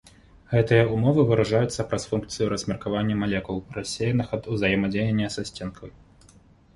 Гэтыя ўмовы выражаюцца праз функцыю размеркавання малекул, рассеяных ад узаемадзеяння са сценкай.